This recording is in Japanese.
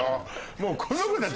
もうこの子たち。